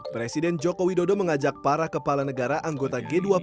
presiden joko widodo mengajak para kepala negara anggota g dua puluh